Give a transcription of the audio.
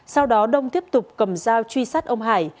sau đó đông tiếp tục cầm dao truy sát ông hải